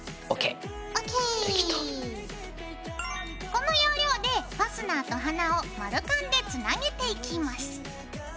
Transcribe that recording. この要領でファスナーと花を丸カンでつなげていきます。